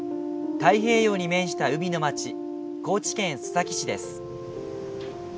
太平洋に面した海の町高知県須崎市です。